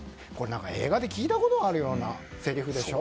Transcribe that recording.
映画で聞いたことあるようなせりふでしょ。